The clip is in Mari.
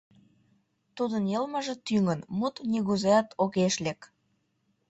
Тудын йылмыже тӱҥын, мут нигузеат огеш лек.